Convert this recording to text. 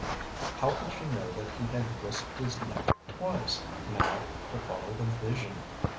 How could she know that he had risked his neck twice, now, to follow the Vision?